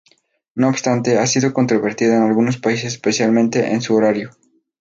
No obstante ha sido controvertida en algunos países especialmente en su horario.